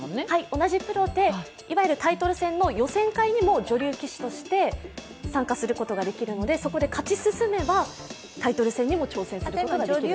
同じプロでタイトル戦の予選会にも女流棋士として参加することができるので、そこで勝ち進めばタイトル戦にも挑戦することができる。